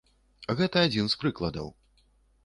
Гэта адзін з прыкладаў.